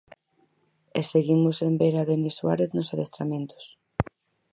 E seguimos sen ver a Denis Suárez nos adestramentos.